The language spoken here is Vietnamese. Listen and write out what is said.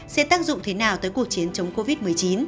sẽ tác dụng thế nào tới cuộc chiến chống covid một mươi chín